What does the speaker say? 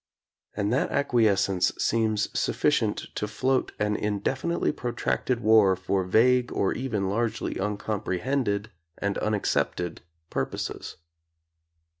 And that acquiescence seems sufficient to float an in definitely protracted war for vague or even largely uncomprehended and unaccepted purposes.